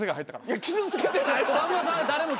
いや傷つけてないわ。